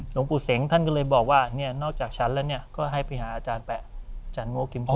หลวงปู่เสงท่านก็เลยบอกว่าเนี่ยนอกจากฉันแล้วก็ให้ไปหาอาจารย์แปะจันโงกิมพอ